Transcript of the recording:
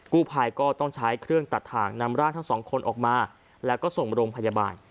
กู้ภัยก็ต้องใช้เครื่องตัดถ่างนำร่างทั้งสองคนออกมาแล้วก็ส่งโรงพยาบาล